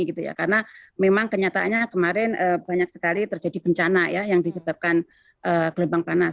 karena memang kenyataannya kemarin banyak sekali terjadi bencana yang disebabkan gelombang panas